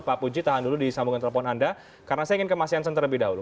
pak puji tahan dulu di sambungan telepon anda karena saya ingin ke mas jansen terlebih dahulu